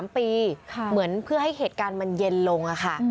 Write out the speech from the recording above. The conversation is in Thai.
๓ปีเหมือนเพื่อให้เหตุการณ์มันเย็นลงค่ะ